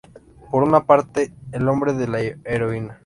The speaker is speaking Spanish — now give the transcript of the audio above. Por una parte, el nombre de la heroína.